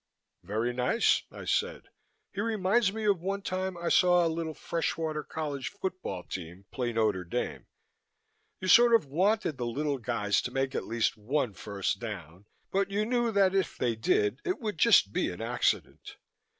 "Very nice," I said. "He reminds me of one time I saw a little fresh water college football team play Notre Dame. You sort of wanted the little guys to make at least one first down, but you knew that if they did, it would just be an accident.